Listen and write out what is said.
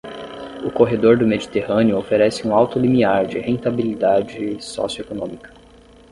O corredor do Mediterrâneo oferece um alto limiar de rentabilidade socioeconômica.